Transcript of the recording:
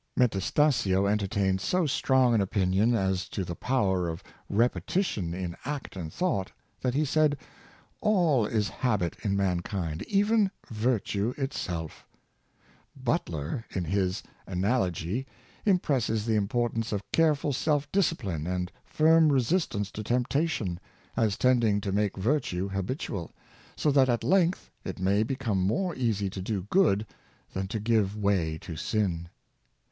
Metastasio entertained so strong an opinion as to the power of rep etition in act and thought, that he said, '' All is habit in mankind, even virtue itself" Butler, in his "Anal ogy," impresses the importance of careful self disci pline and firm resistance to temptation, as tending to make virtue habitual, so that at length it may become more easy to do good than to give way to sin.